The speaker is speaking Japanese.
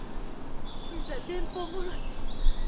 今朝電報もろて。